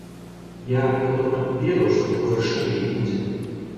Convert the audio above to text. Я, вядома, ведаў, што такое рашэнне і будзе.